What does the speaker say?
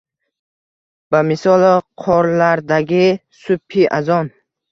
Bamisoli qorlardagi subhi azon